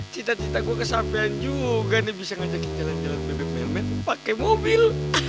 cita cita gua kesampean juga nih bisa ngajakin jalan jalan bebek melmel pake mobil